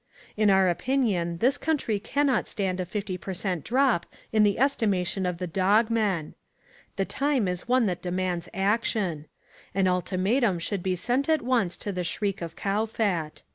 In our opinion this country cannot stand a fifty per cent drop in the estimation of the Dog Men. The time is one that demands action. An ultimatum should be sent at once to the Shriek of Kowfat.